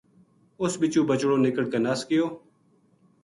اُ س بِچو بچڑو نکڑ کے نس گیو